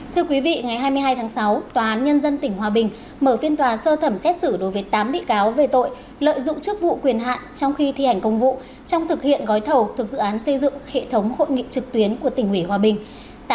thưa quý vị ngày hai mươi hai tháng sáu tòa án nhân dân tỉnh hòa bình mở phiên tòa sơ thẩm xét xử đối với tám bị cáo về tội lợi dụng chức vụ quyền hạn trong khi thi hành công vụ trong thực hiện gói thầu thuộc dự án xây dựng hệ thống hội nghị trực tuyến của tỉnh ủy hòa bình